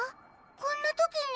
こんなときに。